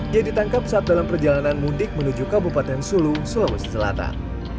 ia ditangkap saat dalam perjalanan mudik menuju kabupaten sulu sulawesi selatan